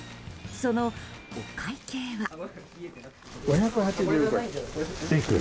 そのお会計は。